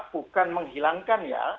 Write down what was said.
bukan menghilangkan ya